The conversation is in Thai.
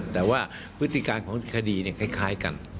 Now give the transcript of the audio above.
แต่ว่าพฤติการของคดีคล้ายกัน